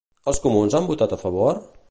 Els comuns han votat a favor?